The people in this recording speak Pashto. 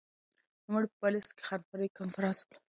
نوموړي په پاریس کې خبري کنفرانس وکړ.